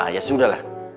ya sudah lah